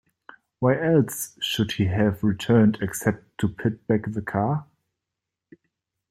Why else should he have returned except to put back the car?